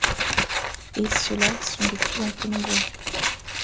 Et ceux-là sont de plus en plus nombreux.